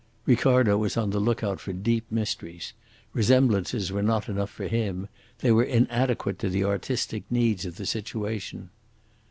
Ricardo was on the look out for deep mysteries. Resemblances were not enough for him; they were inadequate to the artistic needs of the situation.